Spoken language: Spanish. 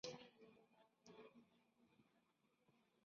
El libro trata el nazismo como una especie de teoría socialista ortodoxa.